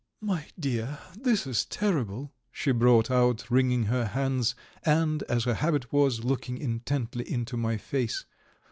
"My dear, this is terrible," she brought out, wringing her hands, and, as her habit was, looking intently into my face.